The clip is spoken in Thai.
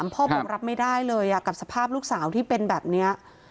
พ่อบอกรับไม่ได้เลยกับสภาพลูกสาวที่เป็นแบบนี้